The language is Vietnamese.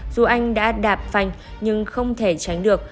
dù anh đã đạp phanh nhưng không thể tránh được